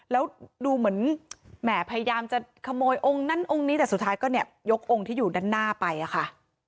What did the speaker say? แล้วดูเหมือนแหมพยายามจะขโมยองค์นั้นองค์นี้แต่สุดท้ายก็เนี่ยยกองค์ที่อยู่ด้านหน้าไปอะค่ะ